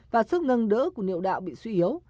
và sức nâng đỡ của niệu đạo bị suy yếu